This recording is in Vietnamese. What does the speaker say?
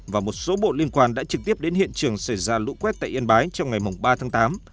và một số bộ liên quan đã trực tiếp đến hiện trường xảy ra lũ quét tại yên bái trong ngày ba tháng tám